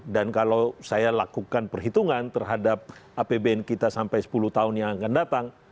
dan kalau saya lakukan perhitungan terhadap apbn kita sampai sepuluh tahun yang akan datang